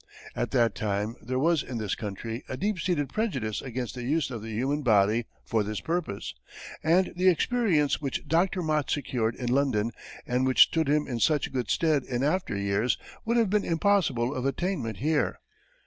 At that time there was in this country a deep seated prejudice against the use of the human body for this purpose, and the experience which Dr. Mott secured in London, and which stood him in such good stead in after years, would have been impossible of attainment here.